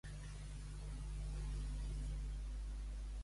Bon pastor és Puiol, però millor és el sol.